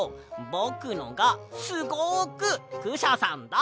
ぼくのがすごくクシャさんだ！